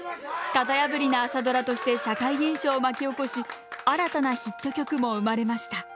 型破りな朝ドラとして社会現象を巻き起こし新たなヒット曲も生まれました。